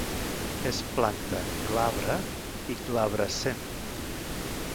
És planta glabra i glabrescent.